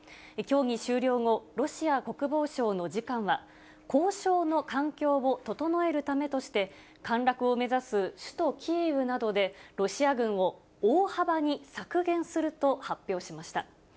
協議終了後、ロシア国防省の次官は、交渉の環境を整えるためとして、陥落を目指す首都キーウなどで、ロシア軍を大幅に削減すると発表しました。